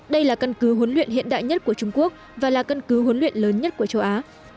đây là căn cứ huấn luyện hiện đại nhất của trung quốc và là căn cứ huấn luyện lớn nhất của châu á